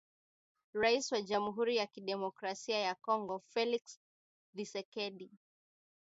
Rais wa Jamuhuri ya Kidemokrasia ya Kongo Felix Thisekedi